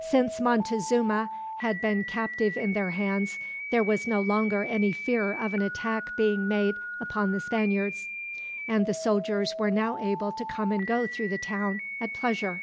Since Montezuma had been captive in their hands, there was no longer any fear of an attack being made upon the Spaniards; and the soldiers were now able to come and go through the town, at pleasure.